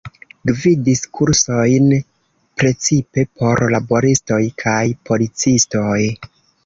Gvidis kursojn precipe por laboristoj kaj policistoj.